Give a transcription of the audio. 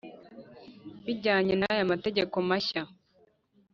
bijyanye n’aya mategeko mashya,